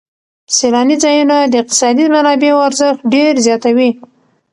سیلاني ځایونه د اقتصادي منابعو ارزښت ډېر زیاتوي.